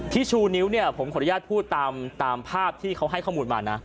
ชูนิ้วเนี่ยผมขออนุญาตพูดตามภาพที่เขาให้ข้อมูลมานะ